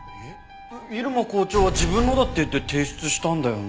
入間校長は自分のだって言って提出したんだよね？